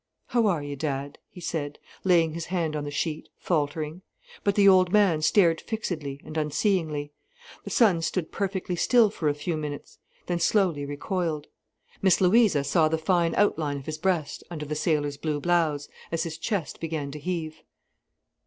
"How are you, dad?" he said, laying his hand on the sheet, faltering. But the old man stared fixedly and unseeing. The son stood perfectly still for a few minutes, then slowly recoiled. Miss Louisa saw the fine outline of his breast, under the sailor's blue blouse, as his chest began to heave.